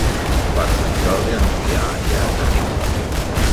Per Sant Jordi en Julià anirà a Carrícola.